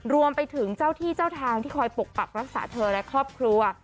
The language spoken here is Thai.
รวมไปถึงเจ้าที่เจ้าทางที่คอยปกปักรักษาเธอและครอบครัว